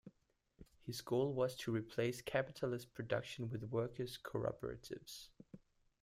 His goal was to replace capitalist production with workers' cooperatives.